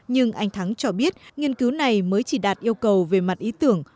nhưng anh thắng cho biết nghiên cứu này mới chỉ đạt yêu cầu về mặt ý tưởng